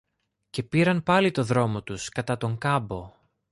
Και πήραν πάλι το δρόμο τους κατά τον κάμπο